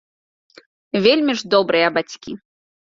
Вельмі ж добрыя бацькі.